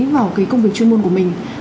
vào cái công việc chuyên môn của mình